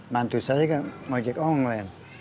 mantu saya kan mau jayak online